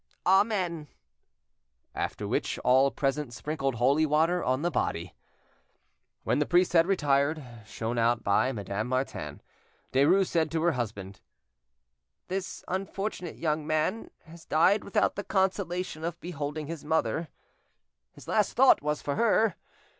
Amen." After which all present sprinkled holy water on the body.... When the priest had retired, shown out by Madame Martin, Derues said to her husband— "This unfortunate young man has died without the consolation of beholding his mother.... His last thought was for her....